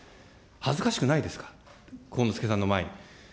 恥ずかしくないですか、幸之助さんの前に。